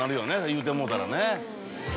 言うてもろうたらね。